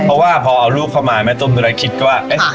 เพราะว่าพอเอารูปเข้ามาแม่ต้มตุ๋นแล้วคิดก็ว่าเอ๊ะ